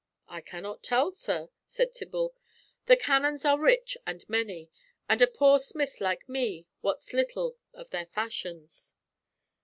"I cannot tell, sir," said Tibble. "The canons are rich and many, and a poor smith like me wots little of their fashions."